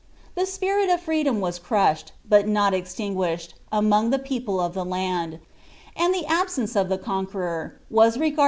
The spirit of freedom was crushed, but not extinguished, among llw|itopIa of tlie land; and ihe absence of the Conqueror was rcgunln.